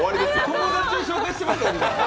友達紹介してますから。